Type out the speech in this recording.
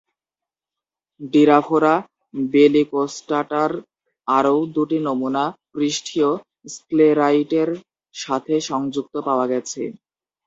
"ডিরাফোরা বেলিকোস্টাটা"র আরও দুটি নমুনা পৃষ্ঠীয় স্ক্লেরাইটের সাথে সংযুক্ত পাওয়া গেছে।